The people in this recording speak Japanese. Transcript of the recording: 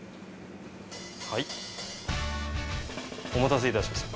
はいお待たせいたしました。